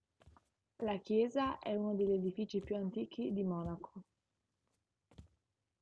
La chiesa è uno degli edifici più antichi di Monaco.